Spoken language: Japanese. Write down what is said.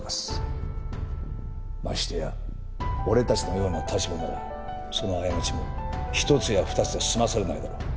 ましてや俺たちのような立場ならその過ちも一つや二つじゃ済まされないだろう。